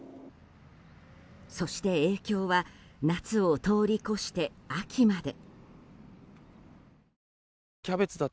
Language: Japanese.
そして、影響は夏を通り越して秋まで。